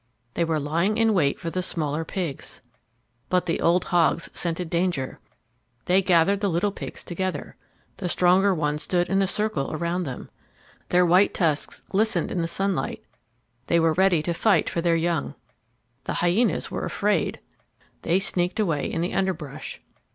They were lying in wait for the smaller pigs. But the old hogs scented danger. They gathered the little pigs together. The stronger ones stood in a circle around them. Their white tusks glistened in the sunlight. They were ready to fight for their young. The hyenas were afraid. They sneaked away in the underbrush.